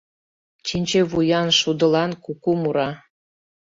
Чинче вуян шудылан куку мура.